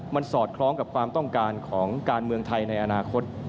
มันสอดคล้องกับความต้องการของการเมืองไทยในอนาคต